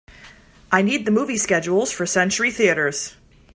I need the movie schedules for Century Theatres